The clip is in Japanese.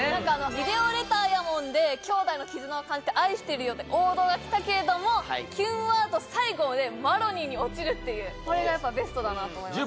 「ビデオレターやもん」で兄弟の絆を感じて「愛してるよ」で王道が来たけれどもキュンワード最後で「マロニー」に落ちるっていうこれがやっぱりベストだなと思いました